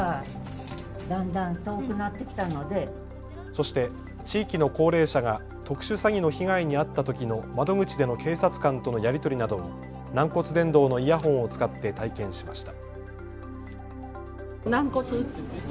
そして地域の高齢者が特殊詐欺の被害に遭ったときの窓口での警察官とのやり取りなどを軟骨伝導のイヤホンを使って体験しました。